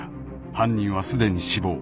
［犯人はすでに死亡］